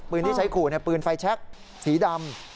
ที่ใช้ขู่ปืนไฟแชคสีดำ